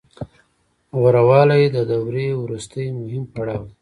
غوره والی د دورې وروستی مهم پړاو دی